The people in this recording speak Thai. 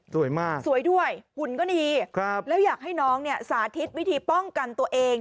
สวยมากสวยด้วยหุ่นก็ดีครับแล้วอยากให้น้องเนี่ยสาธิตวิธีป้องกันตัวเอง